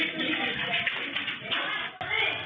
นั่นไง